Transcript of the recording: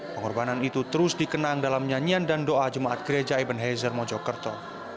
pengorbanan itu terus dikenang dalam nyanyian dan doa jemaat gereja eben hezer mojokerto